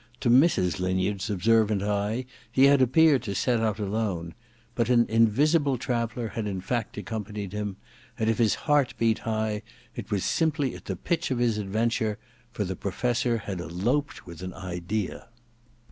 To Mrs. Linyard's observant eye he had appeared to set out alone ; but an invisible traveller had in fact accompanied him, and if his heart beat high it was simply at the pitch of his adventure : for the Professor had eloped with an idea.